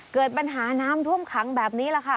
เกิดปัญหาน้ำท่วมขังแบบนี้แหละค่ะ